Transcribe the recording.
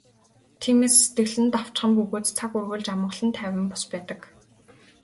Тиймээс сэтгэл нь давчхан бөгөөд цаг үргэлж амгалан тайван бус байдаг.